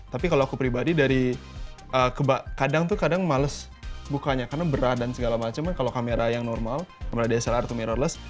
tapi kalau aku pribadi dari kadang tuh kadang males bukanya karena berat dan segala macam kan kalau kamera yang normal kamera dslr atau mirrorless